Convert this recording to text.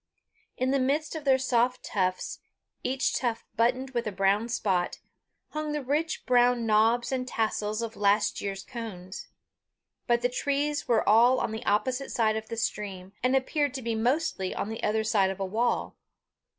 In the midst of their soft tufts, each tuft buttoned with a brown spot, hung the rich brown knobs and tassels of last year's cones. But the trees were all on the opposite side of the stream, and appeared to be mostly on the other side of a wall.